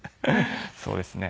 そうですね。